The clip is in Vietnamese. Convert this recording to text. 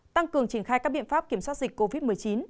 tăng cường triển khai các biện pháp kiểm soát dịch covid một mươi chín